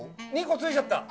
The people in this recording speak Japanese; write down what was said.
２個ついちゃった。